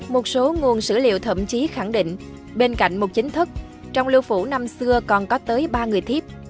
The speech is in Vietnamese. một số nguồn sử liệu thậm chí khẳng định bên cạnh một chính thức trong lưu phủ năm xưa còn có tới ba người thiếp